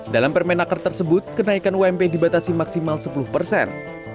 dalam permenaker tersebut kenaikan ump dibatasi maksimal sepuluh persen